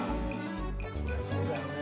そりゃそうだよね。